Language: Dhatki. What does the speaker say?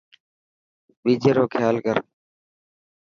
ٻيجي رو کيال ڪر.